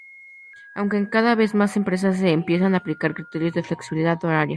Aunque en cada vez más empresas se empiezan a aplicar criterios de flexibilidad horaria.